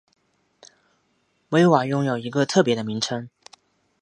威瓦拥有一个特别的名称。